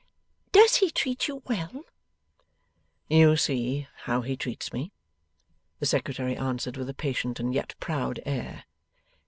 Does he treat you well?' 'You see how he treats me,' the Secretary answered, with a patient and yet proud air.